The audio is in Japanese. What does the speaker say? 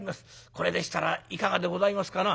これでしたらいかがでございますかな？」。